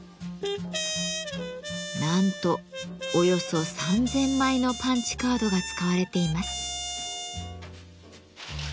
なんとおよそ３，０００枚のパンチカードが使われています。